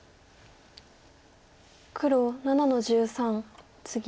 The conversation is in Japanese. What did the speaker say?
黒７の十三ツギ。